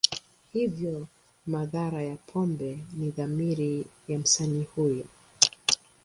Hivyo, madhara ya pombe ni dhamira ya msanii huyo.